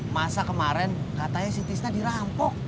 masa kemaren katanya si tisna dirampok